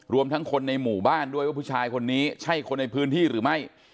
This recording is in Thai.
ทั้งคนในหมู่บ้านด้วยว่าผู้ชายคนนี้ใช่คนในพื้นที่หรือไม่